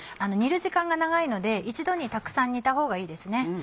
煮る時間が長いので一度にたくさん煮たほうがいいですね。